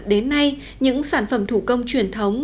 đến nay những sản phẩm thủ công truyền thống